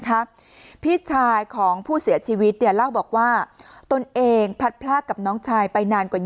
ครับพี่ชายของผู้เสียชีวิตเนี่ยเล่าบอกว่าตนเองพลัดพลากกับน้องชายไปนานกว่า